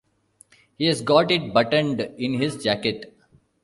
He's got it buttoned in his jacket.